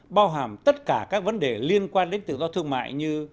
bao hàm tất cả các vấn đề liên quan đến tự do thương mại như